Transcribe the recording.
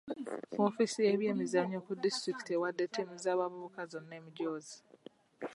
Woofiisi y'ebyemizannyo ku disitulikiti ewadde ttiimu z'abavubuka zonna emijoozi.